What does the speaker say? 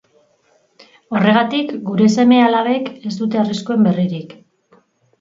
Horregatik, gure seme-alabek ez dute arriskuen berririk.